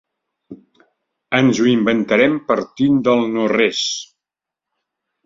Ens ho inventarem partint del no-res.